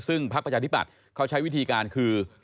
ซึ่งพักประชาธิบัติเขาใช้วิธีการคือ